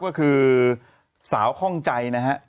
ก็คือสาวข้องใจนะฮะ